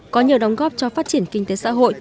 có nhiều đóng góp cho phát triển kinh tế xã hội